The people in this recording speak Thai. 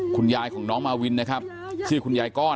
คุณยายของน้องมาวินนะครับชื่อคุณยายก้อน